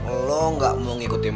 kalau emang lu gak mau ngikutin